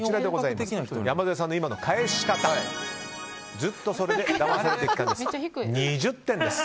山添さんの今の返し方ずっとそれでだまされてきたんです。